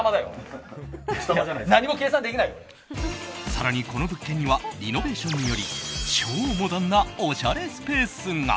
更にこの物件にはリノベーションにより超モダンなおしゃれスペースが。